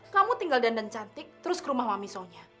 kamu tinggal dandan cantik terus ke rumah mami sonya